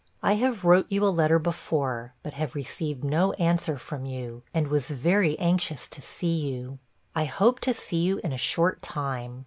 I have wrote you a letter before, but have received no answer from you, and was very anxious to see you. I hope to see you in a short time.